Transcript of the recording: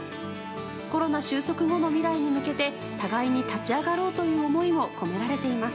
コロナ終息後の未来に向けて互いに立ち上がろうという思いも込められています。